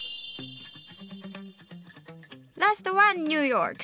ラストはニューヨーク。